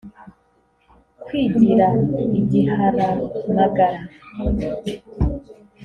Kwigira igiharamagara